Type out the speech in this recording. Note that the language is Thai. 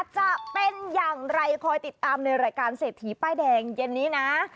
จะเป็นอย่างไรคอยติดตามในรายการเศรษฐีป้ายแดงเย็นนี้นะ